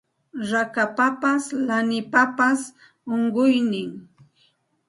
Rakapapas lanipapas unquynin